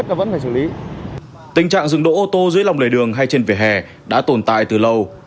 tình trạng dừng đỗ ô tô dưới lòng lề đường hay trên vỉa hè đã tồn tại từ lâu